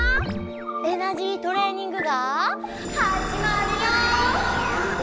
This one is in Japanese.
エナジートレーニングがはじまるよ！